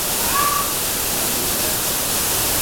ڪو ھون علط ڪرو ھون